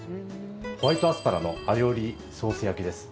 ホワイトアスパラのアリオリソース焼きです。